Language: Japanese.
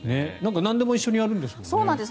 なんでも一緒にやるんですもんね。